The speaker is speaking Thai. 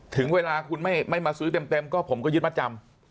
ถึงเวลาคุณไม่มาซื้อเต็มก็ผมก็ยึดมัดจำ